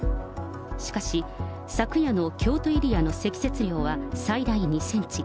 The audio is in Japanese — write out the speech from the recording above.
しかし、昨夜の京都エリアの積雪量は最大２センチ。